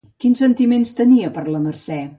Quins sentiments tenia per la Mercè?